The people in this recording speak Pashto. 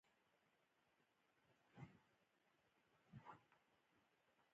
آیا پنبه ډیر لمر ته اړتیا لري؟